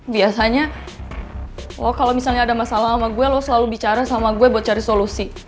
biasanya lo kalau misalnya ada masalah sama gue lo selalu bicara sama gue buat cari solusi